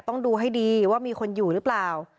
ต้องดูให้ดีว่ามีคนอยู่หรือเปล่า